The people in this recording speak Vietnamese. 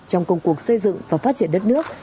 trong công cuộc xây dựng và phát triển đất nước